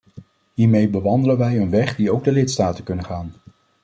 Hiermee bewandelen wij een weg die ook de lidstaten kunnen gaan.